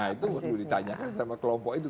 nah itu perlu ditanyakan sama kelompok itu